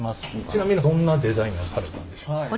ちなみにどんなデザインをされたんでしょう？